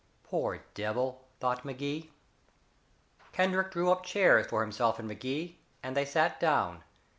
"Poor devil," thought Magee. Kendrick drew up chairs for himself and Magee, and they sat down.